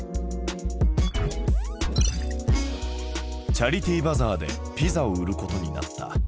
チャリティーバザーでピザを売ることになった。